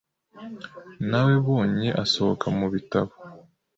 Nawebonye asohoka mubitabo.